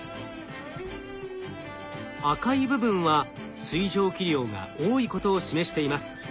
赤い部分は水蒸気量が多いことを示しています。